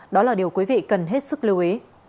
đó là điều quý vị cần hết sức lưu ý